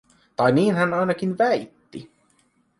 Tai niin hän ainakin väitti.